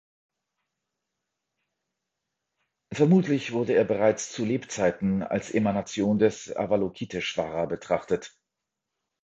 Vermutlich wurde er bereits zu Lebzeiten als Emanation des Avalokiteshvara betrachtet.